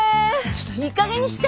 ちょっといい加減にして！